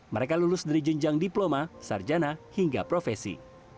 mereka lulus dari jenjang diploma sarjana hingga profesi